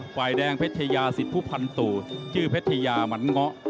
ฝ่ายแดงเพชรยาสิทธิผู้พันตู่ชื่อเพชรยามันเงาะ